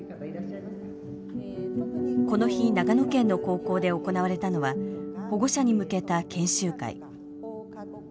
この日長野県の高校で行われたのは保護者に向けた研修会。